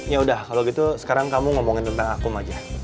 ya udah kalau gitu sekarang kamu ngomongin tentang akum aja